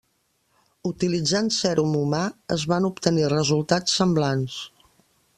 Utilitzant sèrum humà es van obtenir resultats semblants.